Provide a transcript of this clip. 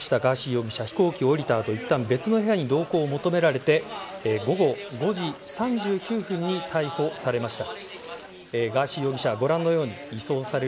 容疑者飛行機を降りた後いったん別の部屋に同行を求められて午後５時３９分に逮捕されました。